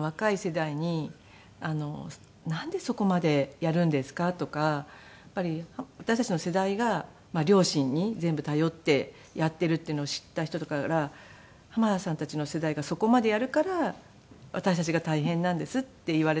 若い世代に「なんでそこまでやるんですか？」とかやっぱり私たちの世代が両親に全部頼ってやっているっていうのを知った人から「浜田さんたちの世代がそこまでやるから私たちが大変なんです」って言われた事があって。